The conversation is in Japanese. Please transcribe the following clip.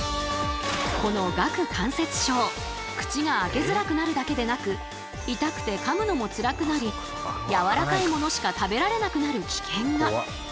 この顎関節症口が開けづらくなるだけでなく痛くてかむのもツラくなりやわらかい物しか食べられなくなる危険が！